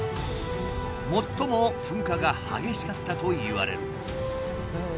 最も噴火が激しかったといわれる。